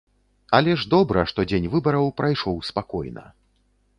Але ж добра, што дзень выбараў прайшоў спакойна.